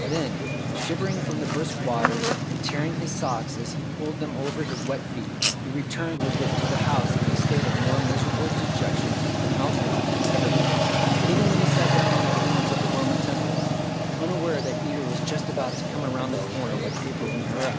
Then, shivering from the brisk water, and tearing his socks as he pulled them over his wet feet, he returned with it to the house in a state of more miserable dejection than Algernon had ever been, even when he sat down on the ruins of the Roman temple, unaware that Eva was just about to come round the corner with April in her eyes.